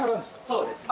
そうですね。